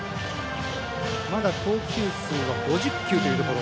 まだ投球数は５０球というところ。